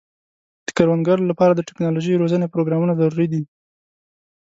د کروندګرو لپاره د ټکنالوژۍ روزنې پروګرامونه ضروري دي.